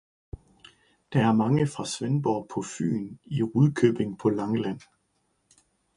Der er mange fra Svendborg på fyn i Rudkøbing på Langeland.